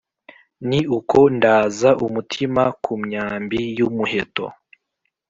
Ni uko ndaza umutima ku myambi y' umuheto